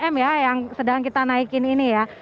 tiga m ya yang sedang kita naikin ini ya